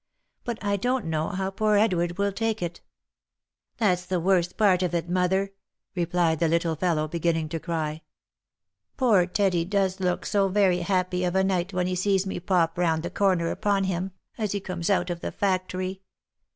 But I don't know how poor Edward will take it." " That's the worst part of it, mother," replied the little fellow, be ginning to cry. '* Poor Teddy does look so very happy of a night when he sees me pop round the corner upon him, as he comes out of the factory